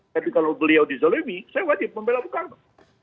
tapi kalau beliau dizolimi saya wajib membela soekarno